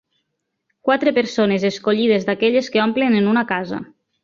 Quatre persones escollides d'aquelles que omplen en una casa